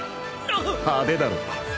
派手だろ。